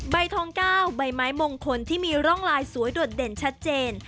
ใบทอง๙ใบไม้มงคลที่มีร่องลายสวยโดดเด่นชัดเจน